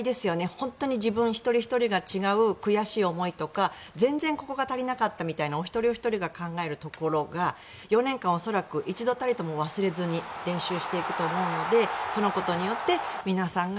本当に自分一人ひとりが違う悔しい思いとか全然ここが足りなかったみたいなお一人お一人が考えるところが４年間、恐らく一度たりとも忘れずに練習していくと思うのでそのことによって皆さんが